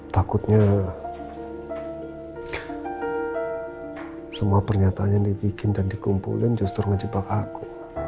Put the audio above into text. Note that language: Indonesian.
takutnya semua pernyataan yang dibikin dan dikumpulin justru ngejebak aku